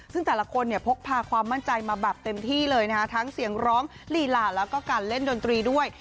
ซึ่งแต่ละคนเนี่ยพกพาความมั่นใจมาแบบเต็มที่เลยนะคะทั้งเสียงร้องลีลาแล้วก็การเล่นดนตรีด้วย